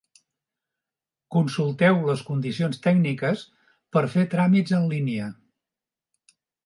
Consulteu les condicions tècniques per fer tràmits en línia.